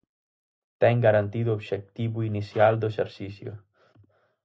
Ten garantido o obxectivo inicial do exercicio.